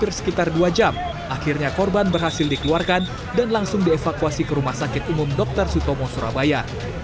hampir sekitar dua jam akhirnya korban berhasil dikeluarkan dan langsung dievakuasi ke rumah sakit umum dr sutomo surabaya